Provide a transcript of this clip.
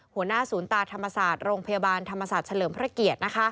หัวหน้าศูนย์ตาธรรมศาสตร์โรงพยาบาลธรรมศาสตร์เฉลิมพระเกียรติ